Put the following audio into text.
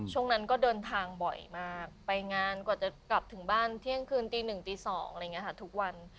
ช่วงนั้นก็เดินทางบ่อยมากไปงานกว่าจะกลับถึงบ้านเที่ยงคืนตีหนึ่งตี๒อะไรอย่างนี้ค่ะทุกวัน